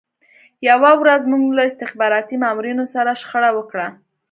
یوه ورځ موږ له استخباراتي مامورینو سره شخړه وکړه